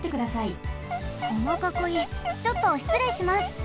このかこいちょっとしつれいします！